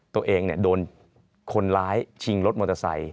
ตัวเองโดนคนร้ายชิงรถมอเตอร์ไซค